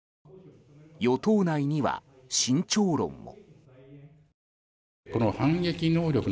与党内には慎重論も。